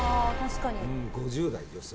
５０代女性。